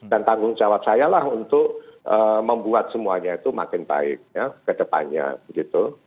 dan tanggung jawab saya lah untuk membuat semuanya itu makin baik ya kedepannya gitu